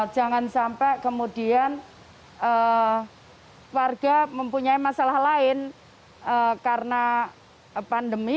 jangan sampai kemudian warga mempunyai masalah lain karena pandemi